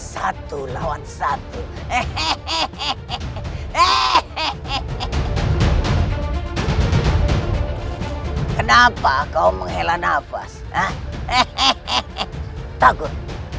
sumpah seorang raja besar